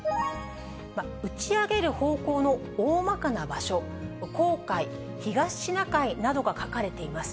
打ち上げる方向の大まかな場所、黄海、東シナ海などが書かれています。